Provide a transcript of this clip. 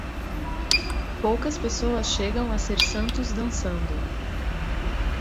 Poucas pessoas chegam a ser santos dançando.